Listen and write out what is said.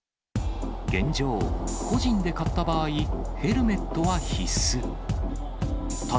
現状、個人で買った場合、ヘルメットは必須。